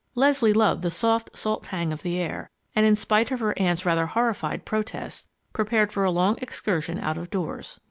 Leslie loved the soft, salt tang of the air, and in spite of her aunt's rather horrified protests, prepared for a long excursion out of doors.